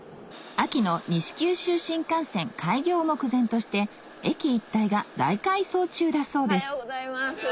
秋の西九州新幹線開業目前として駅一帯が大改装中だそうです